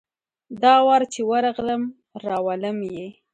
دا وار چي ورغلم ، راولم یې .